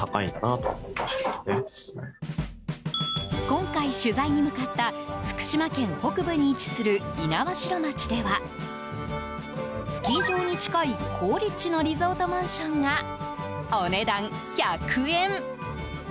今回、取材に向かった福島県北部に位置する猪苗代町ではスキー場に近い好立地のリゾートマンションがお値段１００円。